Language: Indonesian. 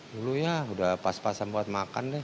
dulu ya udah pas pasan buat makan deh